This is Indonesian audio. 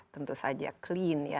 tentu saja clean ya